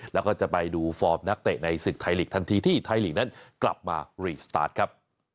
แล้วก็จะไปดูฟอร์มนักเตะในศึกไทยทันทีที่ไทยลิกนั้นกลับมาครับ